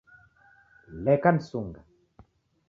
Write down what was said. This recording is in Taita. Leka nisunga